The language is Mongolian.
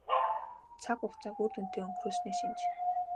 Цаг хугацааг үр дүнтэй өнгөрөөсний шинж.